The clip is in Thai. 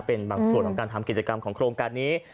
เป็นบางส่วนของการทำกิจกรรมของโครงการนี้